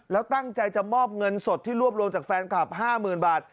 แล้วตั้งใจจะมอบเงินสดที่รวบรวมจากแฟนคลับ๕๐๐๐บาท